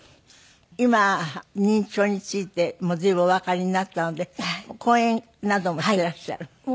今認知症について随分おわかりになったので講演などもしていらっしゃる。